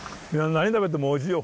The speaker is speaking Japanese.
何食べてもおいしいよ。